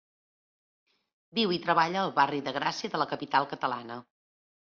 Viu i treballa al barri de Gràcia de la capital catalana.